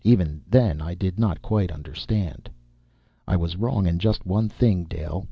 Even then I did not quite understand. "I was wrong in just one thing, Dale.